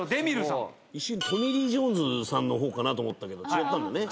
一瞬トミー・リー・ジョーンズさんの方かなと思ったけど違ったんだね。